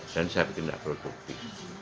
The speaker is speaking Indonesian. dan saya pikir tidak perlu bukti